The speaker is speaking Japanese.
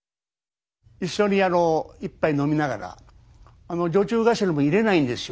一緒にあの一杯飲みながら女中頭も入れないんですよ